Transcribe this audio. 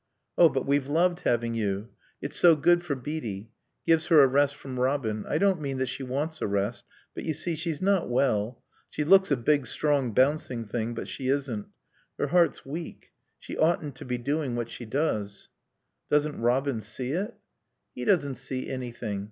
"Oh, but we've loved having you. It's so good for Beatie. Gives her a rest from Robin.... I don't mean that she wants a rest. But, you see, she's not well. She looks a big, strong, bouncing thing, but she isn't. Her heart's weak. She oughtn't to be doing what she does." "Doesn't Robin see it?" "He doesn't see anything.